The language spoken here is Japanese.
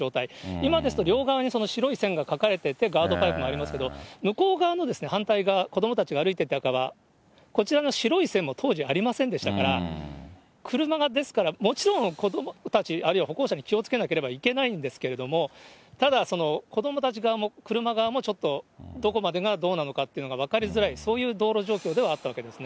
今ですと両側に白い線が書かれてて、ガードパイプもありますけど、向こう側の反対側、子どもたちが歩いてた側、こちらの白い線も当時ありませんでしたから、車が、ですからもちろん、子どもたち、あるいは歩行者に気をつけなければいけないんですけれども、ただ、子どもたち側も車側も、ちょっとどこまでがどうなのかっていうのが分かりづらい、そういう道路状況ではあったわけですね。